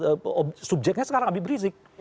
karena subjeknya sekarang habib rizik